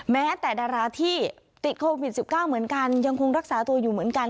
แม้แต่ดาราที่ติดโควิด๑๙เหมือนกันยังคงรักษาตัวอยู่เหมือนกัน